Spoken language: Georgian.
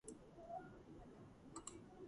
ამ ყველაფერ დიდი მსხვერპლი მოჰყვა ევროპელთა მხრიდან.